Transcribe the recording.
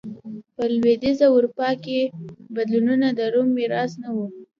په لوېدیځه اروپا کې بدلونونه د روم میراث نه و